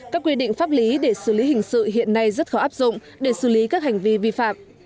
các quy định pháp lý để xử lý hình sự hiện nay rất khó áp dụng để xử lý các hành vi vi phạm